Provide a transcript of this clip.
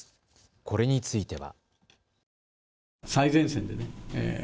これについては。